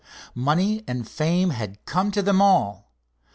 Money and fame had come to them all.